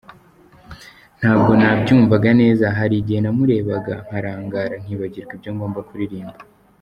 Ntabwo nabyumvaga neza, hari igihe namurebaga nkarangara nkibagirwa ibyo ngomba kuririmba.